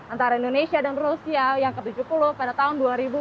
antara indonesia dan rusia yang ke tujuh puluh pada tahun dua ribu dua puluh